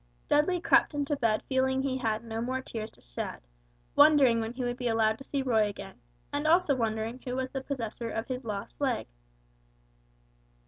Dudley crept into bed feeling he had no more tears to shed, wondering when he would be allowed to see Roy again, and also wondering who was the possessor of his lost leg.